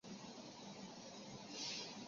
黄果树爬岩鳅为平鳍鳅科爬岩鳅属的鱼类。